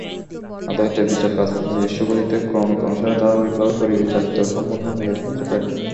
আদালতের বিচার কাজ নিজস্ব গতিতে ক্রমিক অনুসারে ধারাবাহিকভাবে পরিচালিত সম্পূর্ণ নিরপেক্ষতায়।